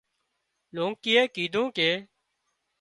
لونڪيئي ڪيڌون ڪي